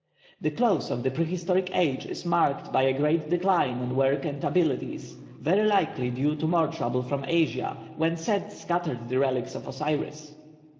The close of the prehistoric age is marked by a great decline in work and abilities, very likely due to more trouble from Asia, when Set scattered the relics of Osiris.